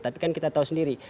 tapi kan kita tahu sendiri